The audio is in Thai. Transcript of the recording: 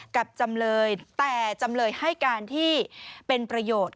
จำเลยแต่จำเลยให้การที่เป็นประโยชน์